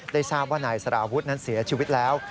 ทราบว่านายสารวุฒินั้นเสียชีวิตแล้ว